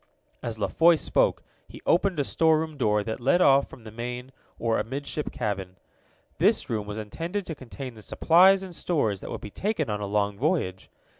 As La Foy spoke, he opened a storeroom door that led off from the main, or amidship, cabin. This room was intended to contain the supplies and stores that would be taken on a long voyage.